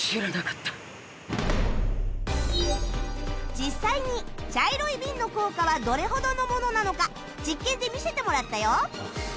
実際に茶色いビンの効果はどれほどのものなのか実験で見せてもらったよ